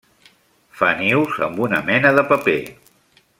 Fa nius amb una mena de paper.